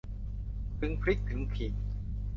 ถึงพริกถึงขิง